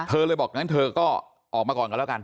เธอเลยบอกงั้นเธอก็ออกมาก่อนกันแล้วกัน